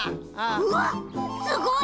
うわっすごい！